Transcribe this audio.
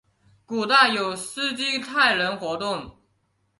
古代有斯基泰人活动。